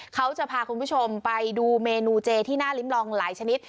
เขาจะพาคุณผู้ชมไปดูเมนูเจที่น่าลิ้มลองหลายชนิด